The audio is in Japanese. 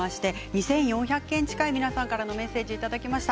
２４００件近い皆さんからのメッセージをいただきました。